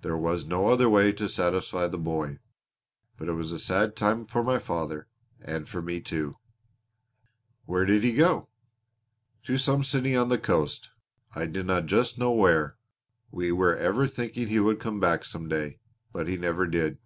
There was no other way to satisfy the boy. But it was a sad time for my father and for me, too." "Where did he go?" "To some city on the coast, I dinna just know where. We were ever thinking he would come back some day but he never did.